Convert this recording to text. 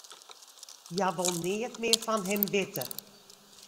Hja wol neat mear fan him witte.